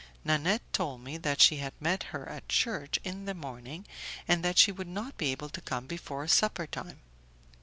Nanette told me that she had met her at church in the morning, and that she would not be able to come before supper time.